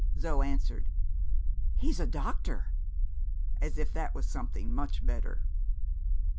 Zo answered, "He's a doctor," as if that was something much better.